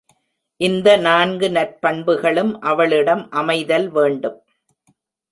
இந்த நான்கு நற்பண்புகளும் அவளிடம் அமைதல் வேண்டும்.